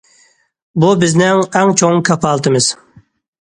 بۇ بىزنىڭ ئەڭ چوڭ كاپالىتىمىز.